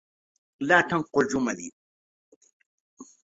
لا تُنُقِّل جُمَلي.